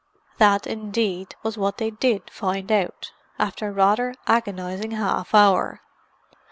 That, indeed, was what they did find out, after a rather agonizing half hour.